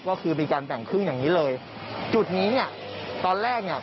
ก็คือมีการแบ่งครึ่งอย่างนี้เลยจุดนี้เนี่ยตอนแรกเนี่ย